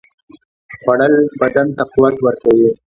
خوړل بدن ته قوت ورکوي